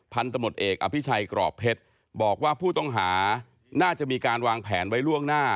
ตำรวจเอกอภิชัยกรอบเพชรบอกว่าผู้ต้องหาน่าจะมีการวางแผนไว้ล่วงหน้า